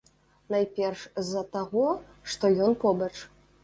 Найперш з-за таго, што ён побач.